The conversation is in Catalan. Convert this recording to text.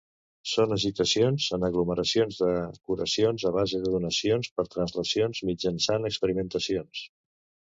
Són agitacions en aglomeracions de curacions a base de donacions per translacions mitjançant experimentacions